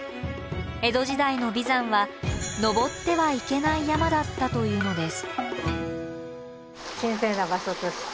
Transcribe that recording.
江戸時代の眉山は登ってはいけない山だったというのです。